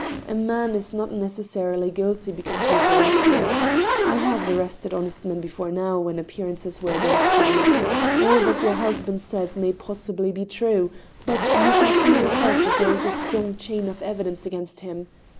A man is not neces sarily guilty because he is arrested. I have arrested honest men before now when appearances were against them. ... All that your husband says may possibly be true ; but you can see yourself that there is a strong chain of evidence against him.